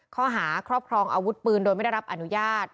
ข้อหาครอบครองอาวุธปืนโดยไม่ได้รับอนุญาต